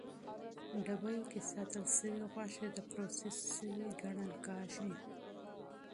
ډبیو کې ساتل شوې غوښه د پروسس شوې ګڼل کېږي.